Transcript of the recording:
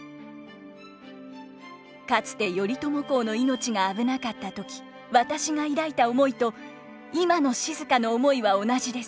「かつて頼朝公の命が危なかった時私が抱いた思いと今の静の思いは同じです。